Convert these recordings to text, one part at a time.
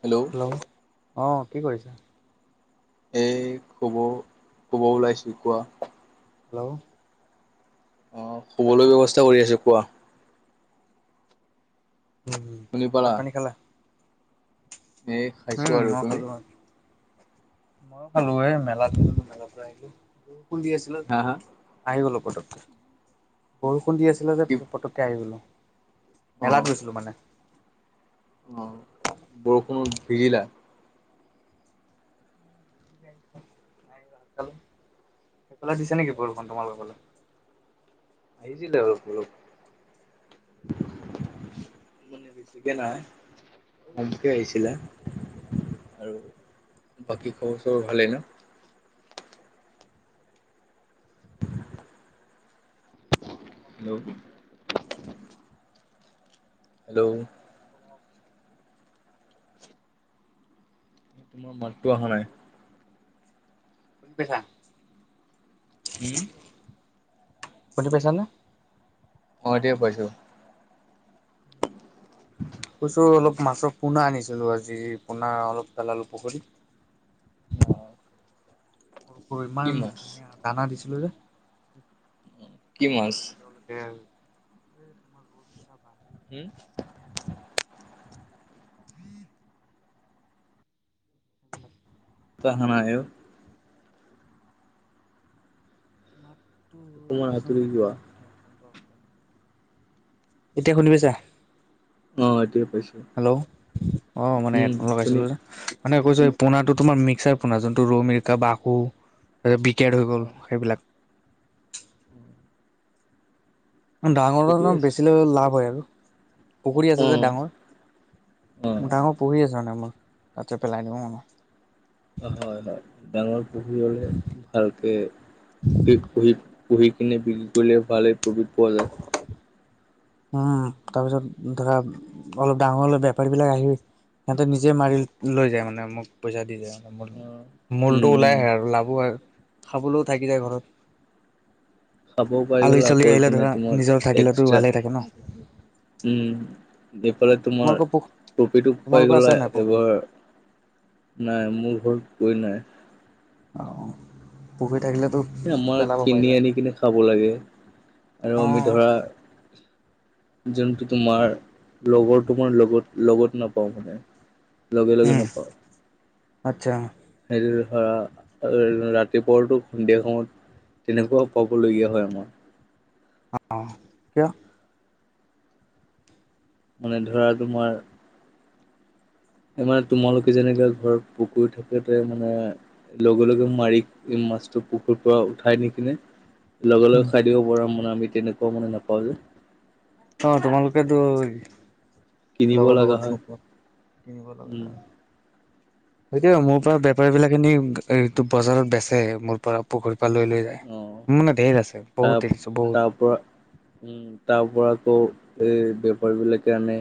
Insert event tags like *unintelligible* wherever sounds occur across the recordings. Hello hello অ কি কৰিছা? এই শুব শুব ওলাইছোঁ। কোৱা? হেল্ল' অ শুবলৈ ব্যৱস্থা কৰি আছো। কোৱা? উম, শুনি ভাত পালা? পানী খালা? এই খাইছোঁ উম আৰু মই তুমি? খালোঁ অ। মইও খালো এ মেলাত গলো মেলাৰ পৰা আহিলো। বৰষুণ দি আছিলে নে? হা হা? আহি গলো পতককে বৰষুণ দি আছিলে যে কি পতককে আহি গলোঁ। মেলাত অ' গৈছিলো মানে। অ বৰষুণত ভিজিলা। *unintelligible* সেইফালে দিছে নেকি বৰষুণ তোমাৰ লোকৰ ফালে? ভিজিলে অলপ চলপ *unintelligible* বেছি কে নাই। সমকে আহিছিলা, আৰু বাকী খবৰ চবৰ ভালেই ন? হেল্ল *inaudible* হেল্ল' *inaudible* তোমাৰ মাতটো আহা নাই। কি কৰিছা? উম। শুনি পাইচা নে? অ এতিয়া পাইছোঁ। *inaudible* কৈছো অলপ মাছৰ পোনা আনিছিলো আজি পোনা অলপ পেলালোঁ পুখুৰীত। অ। হৈ কি মান মাছ? ধুনীয়া দানা দিছিলো যে কি মাছ? পুৰা এতিয়াও লাগ- *unintelligible* হম। *unintelligible* *unintelligible* তাহা নাই অ। মাতটো অকমান আঁতৰি *unintelligible* এক যোৱা। মিনিট হেডফোনটো অফ কৰি এতিয়া শুনি পাইচা? অ এতিয়া পাইছোঁ। হেল্ল' অ মানে উম, হেডফোন শুনি লগাইছিলোঁ যে। মানে কৈছো এই পোনাতটো তোমাৰ মিক্সাৰ পোনা যোনটো ৰৌ মিৰিকা বাকু বিক- কেয়াৰ হৈ গ'ল সেইবিলাক। ডাঙৰ ঠিকেই ডাঙৰ আছে। বেছিলে লাভ হয় আৰু। পুখুৰী আছে যে উম। ডাঙৰ, অ' মোৰ হয় ডাঙৰ পুখুৰী আছে মানে মোৰ তাততে পেলাই দিওঁ অ। হয় হয় ডাঙৰ পুখুৰী হলে ভাল কে পিপ পুহিব পুহি এনে বিল কৰিলে ভালে প্ৰফিত পোৱা যায়। উম তাৰপিছত ধৰা অলপ ডাঙৰ হ'লে বেপাৰী বিলাক আহি সিহতে নিজে মাৰি লৈ যায় মানে মোক পইচা দি যায়। মানে ম উম মূলটো উম ওলাই আহে আৰু লাভ খোৱাৰ খাবলৈও থাকি যায় ঘৰত। খাবও পাই গ'ল আলহী আকৌ চালহী আহিলে এইপিনে ধৰা তোমাৰ নিজৰ থাকিলেতো এক্সট্ৰা ভালে থাকে ন। উম এইফালে তোমাৰ তোমালোকৰ পুখ প্ৰফিটো পাই তোমালোকৰ আছে গলা নাই পুখুৰী এইবাৰ। নাই মোৰ ঘৰত পুখুৰী নাই। অ অ পুখুৰী থাকিলেতো আমাৰ পেলাব কিনি পাৰিলা আনি কিনে খাব লাগে আৰু অ আমি ধৰা যোনটো তোমাৰ লগৰ তোমাৰ লগত লগত নাপাও মানে লগে লগে উম নাপাও। আচ্ছা। সেইটো ধৰা ৰাতিপুৱাটো সন্ধিয়া সময়ত তেনেকুৱাও পাবলগীয়া হয় আমাৰ। অ কিয়? মানে ধৰা তোমাৰ এই মানে তোমালোকে যেনেকে ঘৰত কুকুৰ থাকোতে মানে লগে লগে মাৰি মাছটো পুখুৰীৰ পৰা উঠাই নি কিনে লগে লগে উম খাই দিব পৰা মানে, আমি তেনেকুৱাও মানে নাপাওঁ যে। অ তোমালোকেতো কিনিব লগৰ লগা লগেতো হয় নোপোৱা কিনিব লগা উম হয়। সেইটো মোৰ পৰা বেপাৰী বিলাকে নি এটো বজাৰত বেচে। মোৰ পৰা পুখুৰীৰ পৰা লৈ লৈ যায়। অ মোৰ মানে ঢেৰ আছে। তাৰ বহুত এৰিছো বহুত। তাৰ পৰা উম তাৰ পৰা আকৌ এই বেপাৰীবিলাকে আনে।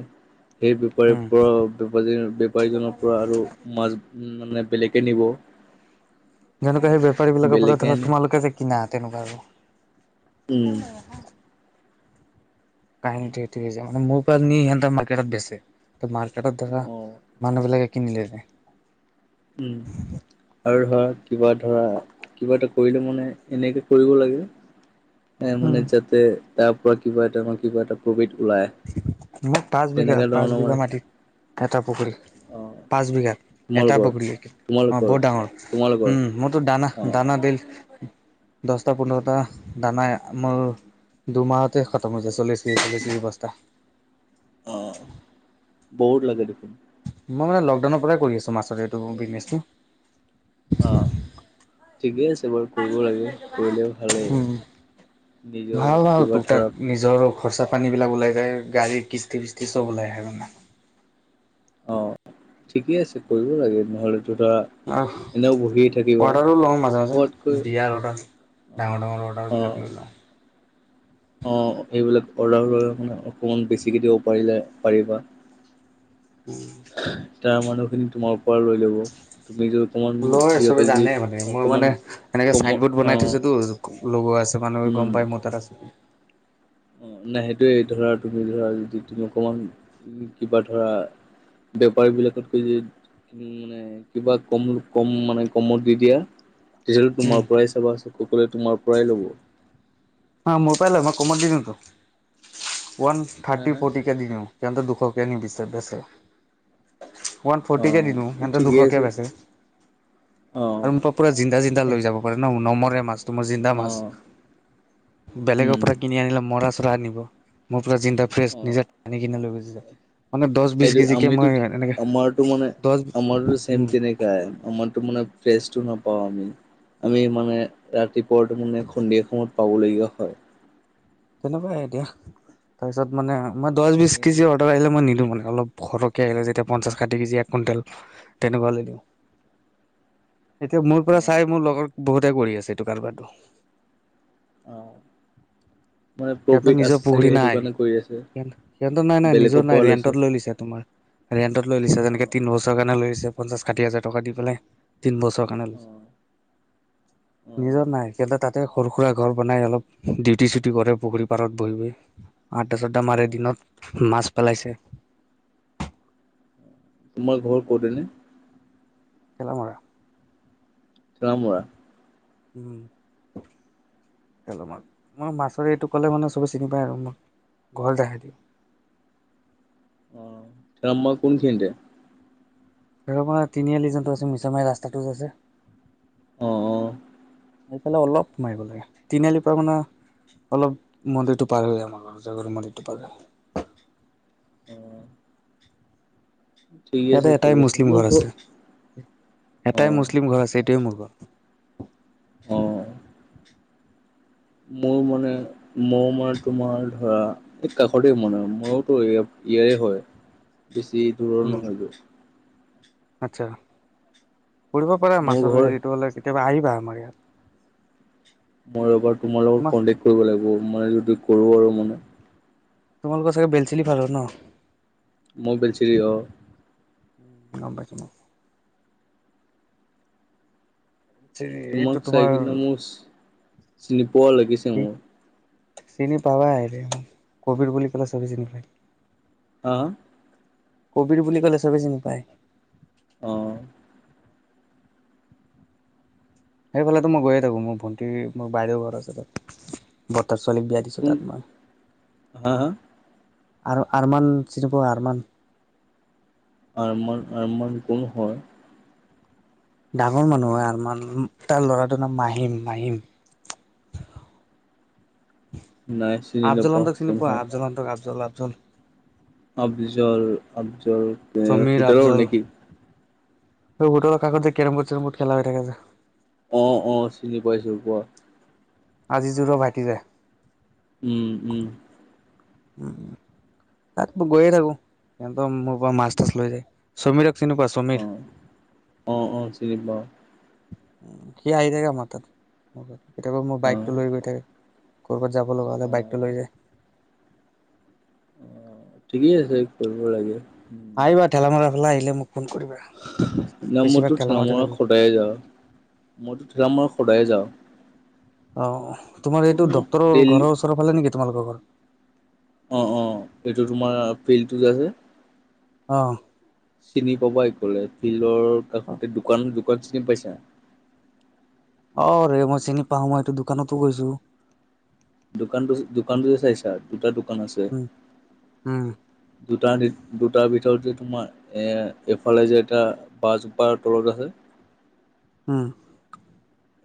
সেই বেপাৰীৰ উম পৰা বেপাৰী- বেপাৰীজনৰ পৰা আৰু মাছ মানে বেলেগে নিব। যেনেকুৱা সেই বেপাৰীবিলাকৰ পৰা বেলেগে ধৰা আনে তোমালোকে যে কিনা তেনেকুৱা আৰু। উম। কাহিনীটো সেইটোৱে যে মোৰ পৰা নি সিহঁতে মাৰ্কেটত বেচে। তো মাৰ্কেটত ধৰা অ মানুহবিলাকে কিনিলে যে উম। আৰু ধৰা, কিবা ধৰা, কিবা এটা কৰিলে মানে এনেকে কৰিব লাগে। এ মানে উম, যাতে তাৰ পৰা কিবা এটা নহয় কিবা এটা প্ৰফিট ওলাই। মোৰ পাঁচ বিঘা, তেনেকা পাঁচ ধৰণৰ বিঘা মানে মাটিত এটা পুখুৰী। অ পাঁচ বিঘাত এটা তোমালোকৰ পুখুৰী, অ তোমালোকৰ বহুত ডাঙৰ, তোমালোকৰ উম। মোৰতো অ দানা-দানা বিল দচটা, পোন্ধৰটা দানা মোৰ দুমাহতে খতম হৈ যায়। চল্লিছ কেজি, চল্লিছ কেজি বস্ত তা। অ বহুত লাগে দেখোন। মই মানে লকডাউনৰ পৰাই কৰি আছো, মাছৰ এইটো বিজনেছটো। অ ঠিকে আছে বাৰু কৰিব লাগে, কৰিলেও ভালেই। উম, নিজৰ কিবা ধৰা তো খৰচা পানীবিলাক ওলাই যায়। গাড়ীৰ কিস্তি ফিস্তি চব উম, ওলাই আহে আৰু মানে। অ ঠিকেই আছে কৰিব লাগে, নহ'লেত ধৰা অহ। এনেও বহি থাকি অৰ্ডাৰো লওঁ মাজে মাজে, বিয়াৰ অৰ্ডাৰ, ডাঙৰ ডাঙৰ অ অৰ্ডাৰবিলাক লৈ লওঁ। অ সেবিলাক অৰ্ডাৰ ল'লে মানে অকণমান বেছিকে দিব পাৰিলে পাৰিবা। তাৰ মানুহ খিনি তোমাৰ পৰা লৈ ল'ব। তুমি যদি অকমান লয় চবে সিহঁতক যদি জানে মানে মই অকমান মানে এনেকে কম চাইন বৰ্ড অ বনাই থৈছোতো। লগোৱা আছে মানুহে গম উম পাই মোৰ তাত আছে বুলি। অ নাই সেইটোয়ে ধৰা তুমি ধৰা যদি তুমি অকমান কিবা ধৰা, বেওপাৰ বিলাক *unintelligible* মানে কিবা কম কম মানে কমত দি দিয়া। জ উম তোমাৰ পৰাই চাবা সকলোৱে তোমাৰ পৰাই ল'ব। অ মোৰ পাই লৈ মই কমত দি দিও তো ওৱান হা থাৰ্টি হা ফৰ্টি, দিওঁ কিনো দুশকে নিবিছে বেচ ওৱান অ ফৰ্টিকে দিলো সিহতে ঠিকেই দুশকে আছে বেছে অ আৰু পুৰা জিন্দা জিন্দা লৈ যাব পাৰে ন নমৰে মাছটো নমৰে জিন্দা অ মাছ। বেলেগৰ উম পৰা কিনি আনিলে মৰা চৰা আনিব। মোৰ পৰা জিন্ডা ফ্ৰেছ অ নিজে আনি কিনে লৈ গুচি যায়। মানে দহ বিশ সেইটো কেজিকে আমিতো মই এনেকে আমাৰতো মানে দহ, আমাৰতো *unintelligible* আমাৰতো মানে ফ্ৰেচটো নাপাওঁ আমি। আমি মানে ৰাতিপুৱাটো মানে সন্ধীয়া সময়ত পাবলগীয়া হয়। তেনেকুৱাই এতিয়া। তাৰপিছত মানে মই দহ বিশ কিনিয়ে থৈ কেজি দিয়ে অৰ্ডাৰ আহিলে মই নিদিওঁ মানে অলপ, দুশ টকীয়া আহিলে যেতিয়া পঞ্চাশ ষাঠি কেজি এক কুইণ্টেল তেনেকুৱা দিওঁ। এতিয়া মোৰ অ পৰা চাই মোৰ লগত বহুতে কৰি আছে এইটো কাৰবাৰটো। অ মানে সিহঁতৰ প্ৰফিট নিজৰ আছে চাগে পুখুৰী সেইটো নাই কাৰণে কৰি আছে। সি সিহঁতো নাই নাই বেলেগৰ নিজৰ নাই পৰা ৰেণ্টত লৈ লৈছে তোমাৰ। ৰেণ্টত লৈ লৈছে অ যেনেকে তিন বছৰ কাৰণে লৈ লৈ পঞ্চাছ ষাঠি হাজাৰ টকা দি পেলাই। তিন বছৰ কাৰণে অ লৈছ। অ নিজৰ নাই কেলে তাত, তাতে সৰু সুৰা ঘৰ বনাই অলপ ডিউটি চিউটি কৰে পুখুৰী পাৰত বহি বহি। আড্ডা চাড্ডা অ। মাৰে দিনত। মাছ পেলাইছে, তোমাৰ ঘৰ কত এনে? খেলা মৰা। চৰামৰা, উম মা মই মাছৰ এইটো ক'লে মানে চবেই চিনি পায় আৰু মোক ঘৰ তে, অ থেলামা কোন খিনিতে? থেলামৰা তিনিআলি যোনটো আছে মিছা মাৰ ৰাস্তাটো যে আছে। অঁ অঁ, এফালে অলপ মাৰিব লাগে, তিনিআলিৰ পৰা মানে। অলপ মন্দিৰটো পাৰ হয় আমাৰ ঘৰ জ মন্দিৰটো পাৰ হয়। অ, ঠিকে ইয়াতে আছে এটাই কৰি আছে মুছলিম মোৰ ঘৰ আছে। অ এটাই মুছলিম ঘৰ আছে এইটোৱে মোৰ ঘৰ। অ। *inaudible* মোৰ মনে মোৰ মানে তোমাৰ ধৰা এই কাষতে মানে ময়োতো ইয়াৰে হয়। বেছি দূৰৰ উম নহয়টো। আচ্ছা, কৰিব পাৰা মোৰ মাছৰ ঘৰ হেৰিত হ'লে কেতিয়াবা আহিবা আমাৰ ইয়াত। মই এবাৰ তোমাৰ লগত কনটেক্ট কৰিব লাগিব মানে যদি কৰো আৰু মানে। তোমালোকৰ চাগে বেলচেলি ভাল হয় ন। *unintelligible* চিৰি অ, গম পাইছো। মই এইটো তোমাক চাই তোমাৰ কিনে মোৰ চিনি পোৱা লাগিছে মোৰ। চিনি পাবাই আহিলে। কভিড বুলি ক'লে চবে চিনি পাই। অ, কবিৰ বুলি ক'লে চবেই চিনি পায়। অ। সেইফালেতো মই গৈয়ে থাকোঁ মোৰ ভণ্টি -মোৰ বাইদেউ ঘৰ আছে তাত। বৰ্তাৰ ছোৱালীক বিয়া দিছো কোন তাত মই হা হা আৰু আৰমান চিনি পোৱা আৰমান। আৰমান আৰমান কোন হয়? ডাঙৰ মানুহ হয় আৰমান, তাৰ ল'ৰাটোৰ নাম মাহিম মাহিম। নাই চিনি নাপাওঁ আব্জুলন্তক চিনি কোন পোৱা হয় আব্জুলন্তক আব্জুল আব্জুল। আব্জুল -আব্জুল সমীৰ আব্জুল। এই বোটৰ কাষতযে কেৰম বোৰ্ড চেৰমবোৰ্ড খেলা হৈ থাকে যে অ অ চিনি পাইছো কোৱা আজিজুৰৰ ভাইটি যে উম -উম। উ তাত গৈয়ে থাকো সিহতৰ মোৰ পৰা মাছ তাছ লৈ যায় সমীৰক চিনি পোৱা? সমীৰ? অ', অ, অ চিনি পাওঁ। উ সি আহি থাকে আমাৰ তাত, কেতিয়াবা মোৰ অ', বাইকটো লৈ গৈ থাকে ক'ৰবাত যাব লগা হলে অ', বাইকটো লৈ যায় অ ঠিকেই আছে কৰিব লাগে। আহিবা ঠেলামাৰ ফালে আহিলে মোক ফোন কৰিবা, ন মইতো বেছিভাগ ঠেলা ঠেলামাৰতে মৰা থাকো। সদায়ে যাওঁ, মইতো ঠেলামাৰত সদায়ে যাওঁ। অ তোমাৰ এইটো মোক ডক্তৰৰ ডেইলি ঘৰৰ ওচৰ ফালে নেকি তোমালোকৰ ঘৰ? অঁ অঁ এইটো তোমাৰ ফিল্ডটো যে আছে অঁ। চিনি পাবা এই কলে ফিল্ডৰ কাষতে দোকান- দোকান চিনি পাইছা? অ ৰে মই চিনি পাও মই এইটো দোকানতো গৈছো দোকানটো -দোকানটো যে চাইছা দুটা দোকান আছে উম, উম, দুটা দুটাৰ ভিতৰত যে তোমাৰ এ এফালে যে এটা বাহ জোপাৰ তলত আছে উম।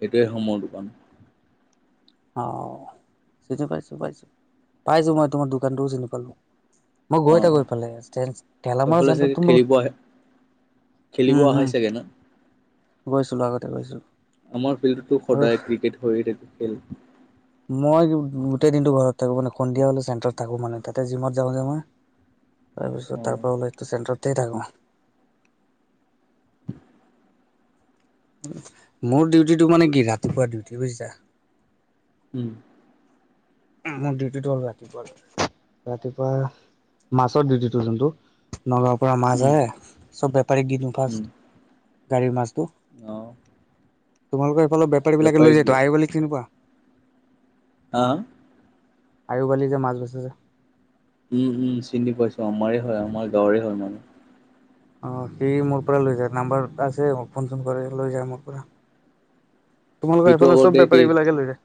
এইটোৱে হয় মোৰ দোকান অ চিনি পাইছো পাইছো, পাইছো মই তোমাৰ দোকানটোও চিনি পালো মই গৈ অ', থাকোঁ অ', এইফালে ঠেলামাৰা এইফালে চাগে চাইদতটো মোৰ খেলিব আহে খেলিব আহা চাগে ন? গৈছিলোঁ আগতে গৈছোঁ। আমাৰ ফিল্ডতো সদায় ক্ৰিকেট হৈয়ে থাকে খেল মই গোটেই দিনটো ঘৰত থাকো মানে সন্ধিয়া হলে চেণ্টাৰত থাকো, মানে তাতে জিমত যাওঁ যে মই তাৰ পিছত তাৰ অ', পৰা উলাই চেণ্টাৰতেই থাকো *inaudible* মোৰ ডিউটিটো মানে কি ৰাতিপুৱা ডিউটি বুজিছা। উম। মোৰ ডিউটিটো হ'ল ৰাতিপুৱাৰ ৰাতিপুৱা মাছৰ ডিউটিটো যোনটো নগাঁৱৰ পৰা মাছ উম, আহে, চব বেপাৰীক দি দিওঁ উম, ফাষ্ট গাড়ীৰ মাছতো, অ', তোমালোকৰ এইফালৰ বেপাৰী বিলাকে বেপাৰীক লৈ যাইটো দিয়ে। আই বলিক চিনি পোৱা? আ? আয়ু বালি যে মাছ বেছে যে উম- উম চিনি পাইছো, আমাৰে হয় আমাৰ গাঁৱৰে হয় মানে অ সি মোৰ পৰা লৈ যায় নাম্বাৰ আছে ফোন চোন কৰে লৈ যায় মোৰ পৰা তোমালোকৰ সেইটো এইফালে চব আগতে কি বেপাৰি বিলাকে লৈ যায়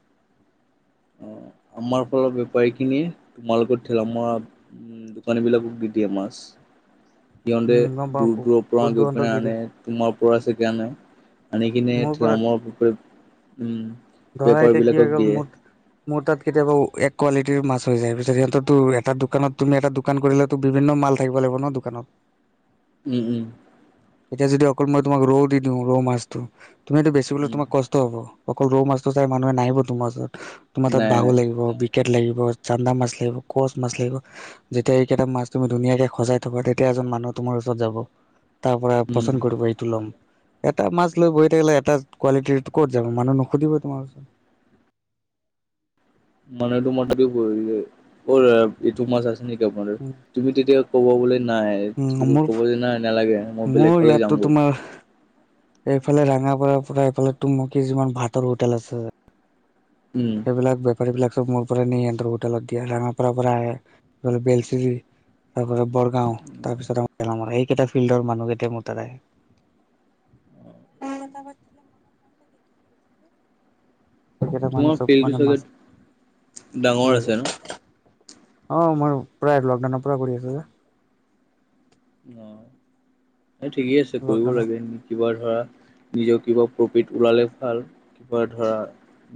অ আমাৰ ফালৰ বেপাৰীখিনিয়ে তোমালোকৰ ঠেলামৰা উম দোকানী বিলাকক দি দিয়ে মাছ, সিহতে উম গম পাওঁ দূৰ ক দূৰৰ পৰা ক'ত গৈ দুৰন্তক পিনে দি আনে দিয়ে তোমাৰ পৰা চাগে আনে, আনি কিনে মোৰ পৰা থেলামৰা পুখুৰীত উম ধৰা বেপাৰ এতিয়া কি হৈ বিলাকক গ'ল দিয়ে মোৰ মোৰ তাত কেতিয়াবা এক কোৱালিটিৰ মাছ হৈ যায় পিছত সিহঁতো এটা দোকানত তুমি এটা দোকান কৰিলেতো বিভিন্ন মাল থাকিব লাগিব ন দোকানত উম - উম। এতিয়া যদি অকল মই তোমাক ৰৌ দি দিও ৰৌ মাছটো তুমিটো বেচিবলৈ উম, তোমাক ক ষ্ট হ'ব অকল ৰৌ মাছটো চাই মানুহে নাহিব তোমাৰ ওচৰত তোমাৰ তাত নাই নাই, বাহু লাগিব কেট লাগিব, চানদা মাছ লাগিব, কচ মাছ লাগিব যেতিয়া এইকেইটা মাছ তুমি ধুনীয়াকে সজাই থকা তেতিয়া এজন মানুহ তোমাৰ ওচৰত যাব তাৰ পৰা উম। পচন্দ কৰিব এইটো লম এটা মাছ লৈ বহি থাকিলে এটা কোৱালিটিৰ ক'ত যাব মানুহ নুসুধিবই তোমাৰ ওচৰত মানে এইটো মই তাকে কৰিম দেই অ দাদা ইটো মাছ আছে নেকি আপোনাৰ তাত তুমি তেতিয়া ক'ব গলে নাই উম মোৰ ক'ব যে নাই নালাগে মই বেলেগ মোৰ ফালে ইয়াততো যামগৈ তোমাৰ এইফালে ৰঙাপাৰ পৰা এইফালে তুঙমুখি যিমান ভাতৰ হোটেল আছে উম সেইবিলাক বেপাৰী বিলাক চব মোৰ পৰা নি সিহঁতৰ হোটেলত দিয়া ৰাঙাপাৰা পৰা আহে, ইফালে। বেলশ্ৰিৰ তাৰপৰা বৰগাঁও তাৰপিছত আ গেলামৰা সেইকেইটা ফিল্ডৰ মানুহকেইটাই মোৰ তাত আহে *unintelligible* কি কি কৈছিলো? সেইকেইটা মানুহ তোমাৰ চব ফিল্ডটো মানে চাগে মাছ ডাঙৰ লৈ আছে যায় ন অ মই প্ৰায় লকডাউনৰ পৰা কৰি আছোঁ যে অ এই ঠিকেই আছে কৰিব লকডাউনৰ লাগে। কিবা ধৰা নিজৰ কিবা প্ৰফিট ওলালে ভাল কিবা ধৰা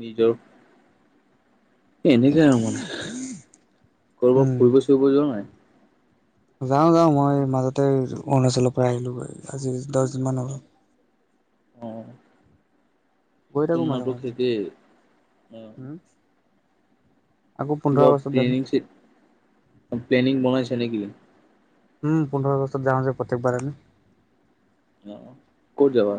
নিজৰ এনেকে আৰু মানে কৰ'বাত উম ফুৰিব চুৰিব যোৱা নাই যাওঁ যাওঁ মই মাজতে অৰুণাচলৰ পৰা আহিলোগৈ আজি দহ দিন মান হ'ল অ গৈ সেটো থাকো মাজে মোৱাটো মাজে সিকেই অ উম আকৌ পোন্ধৰ কিবা আগষ্টত যাম প্লেনি, প্লেনিং বনাইছে নেকি উম পোন্ধৰ আগষ্টত যাও যে প্ৰত্যেকবাৰ আমি অ অ ক'ত যাবা?